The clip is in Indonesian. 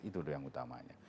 itu yang utamanya